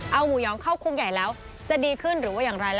เอาหมูยองเข้าคุกใหญ่แล้วจะดีขึ้นหรือว่าอย่างไร